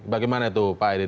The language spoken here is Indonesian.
bagaimana itu pak aireen